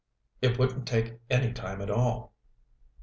It wouldn't take any time at all."